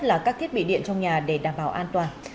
là các thiết bị điện trong nhà để đảm bảo an toàn